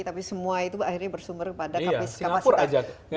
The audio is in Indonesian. tapi semua itu akhirnya bersumber pada kapasitas